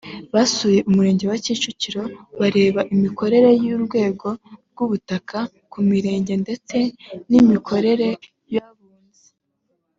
basuye Umurenge wa Kimironko bareba imikorere y’urwego rw’ubutaka ku mirenge ndetse n’imikorere y’abunzi